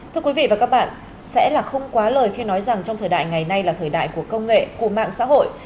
thưa quý vị và các bạn sẽ là không quá lời khi nói rằng trong thời đại ngày nay là thời đại của công nghệ của mạng xã hội